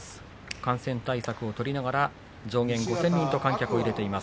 感染対策を、取りながら上限５０００人となっています。